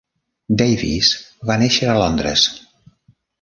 Davis va néixer a Londres.